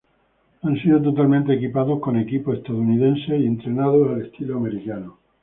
Han sido totalmente equipados con equipo estadounidense y entrenados al estilo americano.